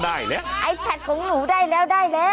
ไอ้ชัดของหนูได้แล้ว